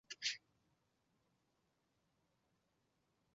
黄鹂科在鸟类传统分类系统中是鸟纲中的雀形目中的一个科。